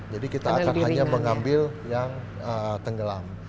jadi kita akan hanya mengambil yang tenggelam